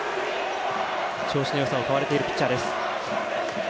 調子のよさが買われているピッチャーです。